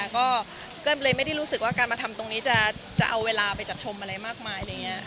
ก็เลยไม่ได้รู้สึกว่าการมาทำตรงนี้จะเอาเวลาไปจัดชมอะไรมากมาย